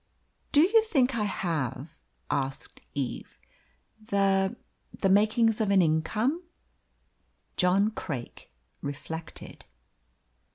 "Do you think I have," asked Eve, "the the makings of an income?" John Craik reflected.